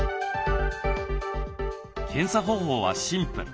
検査方法はシンプル。